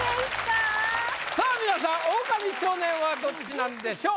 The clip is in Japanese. さあ皆さんオオカミ少年はどっちなんでしょう？